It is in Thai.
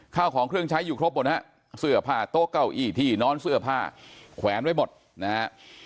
ข้าวของเครื่องใช้อยู่ครบหมดฮะเสื้อผ้าโต๊ะเก้าอี้ที่นอนเสื้อผ้าแขวนไว้หมดนะฮะ